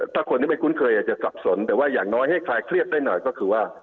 ถ้าคนที่ไม่คุ้นเคยอาจจะสับสนแต่ว่าอย่างน้อยให้คลายเครียดได้หน่อยก็คือว่า